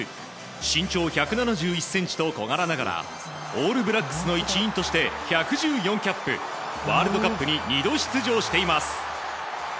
身長１７１ｃｍと小柄ながらオールブラックスの一員として１１４キャップワールドカップに２度出場しています。